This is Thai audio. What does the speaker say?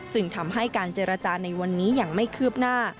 จึงทำให้การเจรจาในวันนี้ยังไม่คืบหน้า